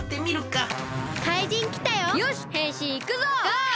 ゴー！